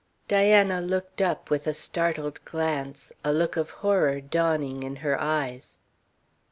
Diana looked up with a startled glance, a look of horror dawning in her eyes.